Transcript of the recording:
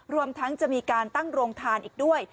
รวมทั้งจะมีการตั้งโรงทานอีกด้วย